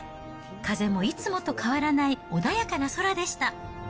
風もいつもと変わらない穏やかな空でした。